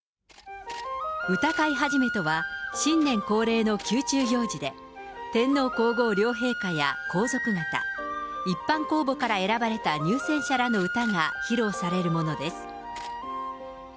歌会始とは、新年恒例の宮中行事で、天皇皇后両陛下や皇族方、一般公募から選ばれた入選者らの歌が披露されるものです。